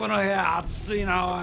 暑いなおい。